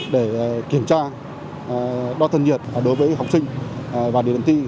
để kiểm tra đo thân nhiệt đối với học sinh và địa điểm thi